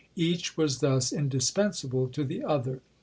" Each was thus indispensable to the other.